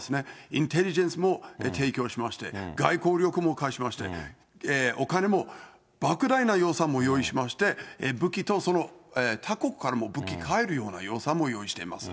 インテリジェンスも提供しまして、外交力も介しまして、お金もばく大な予算も用意しまして、武器と他国からも武器買えるような予算も用意しています。